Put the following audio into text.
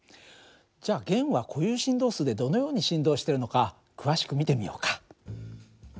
じゃあ弦は固有振動数でどのように振動してるのか詳しく見てみようか。